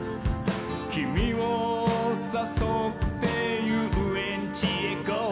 「キミをさそってゆうえんちへゴ」